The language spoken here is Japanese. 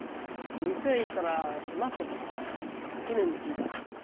店ぇ行ったら閉まっとったからきぬに聞いた。